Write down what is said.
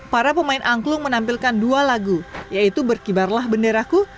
para pemain angklung menampilkan dua lagu yaitu berkibarlah benderaku